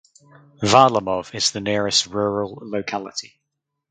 Varlamov is the nearest rural locality.